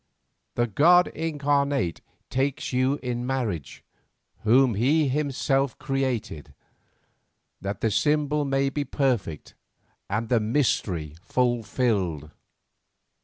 The god incarnate takes you in marriage whom he himself created, that the symbol may be perfect and the mystery fulfilled.